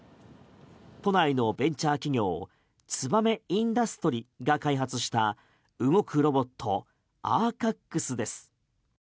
都内のベンチャー企業ツバメインダストリが開発した動くロボットアーカックスです。